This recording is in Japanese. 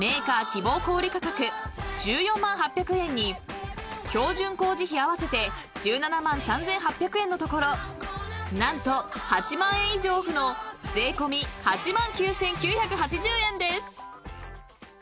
希望小売価格１４万８００円に標準工事費合わせて１７万３，８００円のところなんと８万円以上オフの税込み８万９，９８０円です］